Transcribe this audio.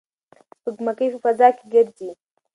سپوږمکۍ په فضا کې ګرځي.